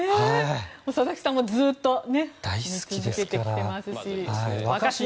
佐々木さんもずっと見続けてきていますし。